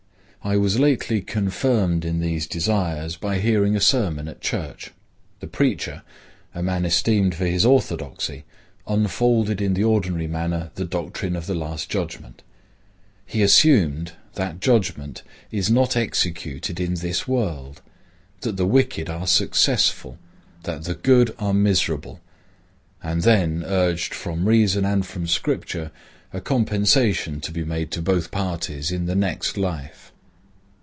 I was lately confirmed in these desires by hearing a sermon at church. The preacher, a man esteemed for his orthodoxy, unfolded in the ordinary manner the doctrine of the Last Judgment. He assumed that judgment is not executed in this world; that the wicked are successful; that the good are miserable; and then urged from reason and from Scripture a compensation to be made to both parties in the next life.